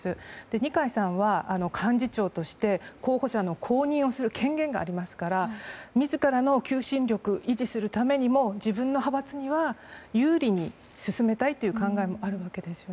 二階さんは幹事長として候補者を公認する権限がありますから自らの求心力を維持するためにも自分の派閥には有利に進めたいという考えもあるわけです。